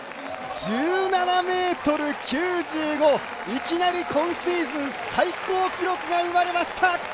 １７ｍ９５、いきなり今シーズン最高記録が生まれました。